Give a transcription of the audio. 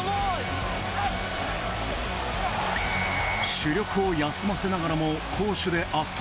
主力を休ませながらも攻守で圧倒。